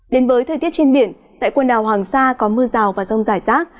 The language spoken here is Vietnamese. đến với thời tiết trên biển tại quần đảo hoàng sa có mưa rào và rông rải rác